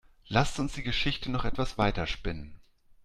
Lasst uns die Geschichte noch etwas weiter spinnen.